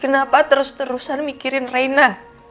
kenapa terus terusan mikirin raina